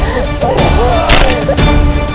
aku cintai monyakmu